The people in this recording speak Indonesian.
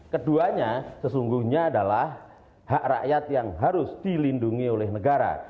keduanya sesungguhnya adalah hak rakyat yang harus dilindungi oleh negara